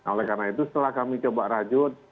oleh karena itu setelah kami coba rajut